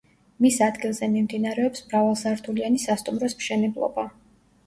მის ადგილზე მიმდინარეობს მრავალსართულიანი სასტუმროს მშენებლობა.